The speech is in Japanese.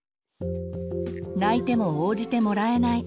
泣いても応じてもらえない。